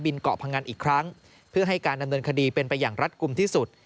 เกาะพังอันอีกครั้งเพื่อให้การดำเนินคดีเป็นไปอย่างรัฐกลุ่มที่สุด